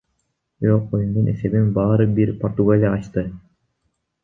Бирок оюндун эсебин баары бир Португалия ачты.